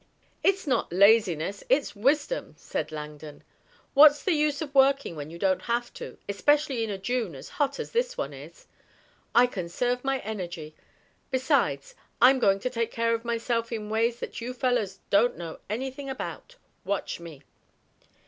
"It's not laziness, it's wisdom," said Langdon. "What's the use of working when you don't have to, especially in a June as hot as this one is? I conserve my energy. Besides, I'm going to take care of myself in ways that you fellows don't know anything about. Watch me."